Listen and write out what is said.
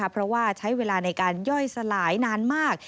เพราะว่าใช้เวลาในการย่อยสลายนานมาก